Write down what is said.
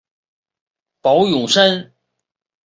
宝永山。